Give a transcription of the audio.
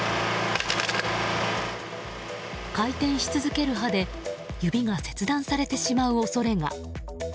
回転し続ける刃で指が切断されてしまう恐れが。